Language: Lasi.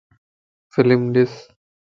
فلم ڏس